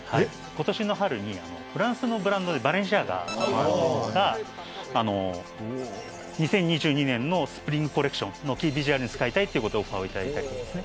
今年の春にフランスのブランドでＢＡＬＥＮＣＩＡＧＡが２０２２年のスプリングコレクションのキービジュアルに使いたいというオファーをいただいたりですね。